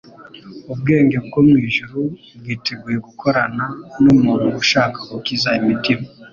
Ubwenge bwo mu ijuru bwiteguye gukorana n'umuntu ushaka gukiza imitima,